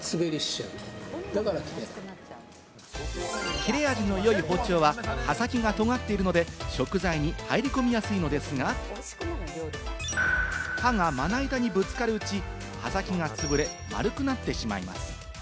切れ味の良い包丁は刃先が尖っているので食材に入り込みやすいのですが、刃がまな板にぶつかるうち、刃先が潰れ、丸くなってしまいます。